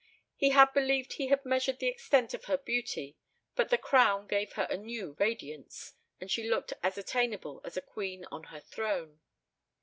He had believed he had measured the extent of her beauty, but the crown gave her a new radiance and she looked as attainable as a queen on her throne.